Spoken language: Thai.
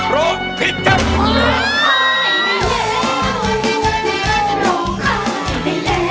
ร้องผิดครับ